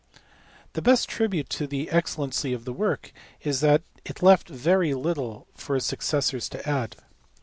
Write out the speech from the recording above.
The best tribute to the excellency of the work is that it left very little for his successors to add.